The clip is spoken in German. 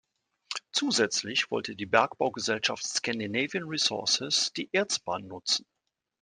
Zusätzlich wollte die Bergbaugesellschaft Scandinavian Resources die Erzbahn nutzen.